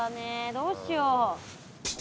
どうしよう。